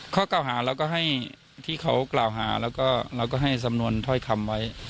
ข้อกล่าวหาเราก็ให้ที่เขากล่าวหาแล้วก็เราก็ให้สำนวนถ้อยคำไว้